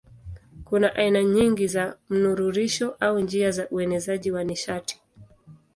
Kuna aina nyingi za mnururisho au njia za uenezaji wa nishati.